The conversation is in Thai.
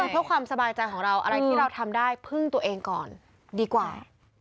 เพื่อความสบายใจของเราอะไรที่เราทำได้พึ่งตัวเองก่อนดีกว่า